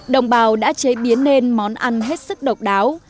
đồng bào đã chế biến nên món ăn hết sức độc đáo